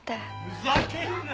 ふざけるな！